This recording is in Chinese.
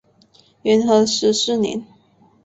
元和十四年。